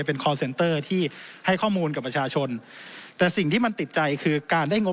เป็นที่ให้ข้อมูลกับประชาชนแต่สิ่งที่มันติดใจคือการได้งบ